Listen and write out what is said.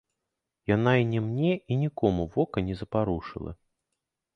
Яна і ні мне і нікому вока не запарушыла.